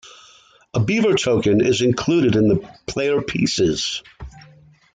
A beaver token is included in the player pieces.